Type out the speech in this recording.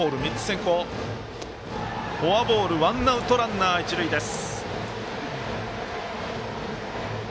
フォアボールワンアウト、ランナー、一塁です。